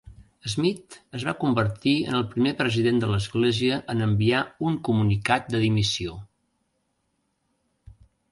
Smith es va convertir en el primer president de l'església en enviar un comunicat de dimissió.